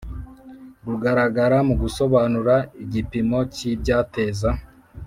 Rugaragara mu gusobanura igipimo cy ibyateza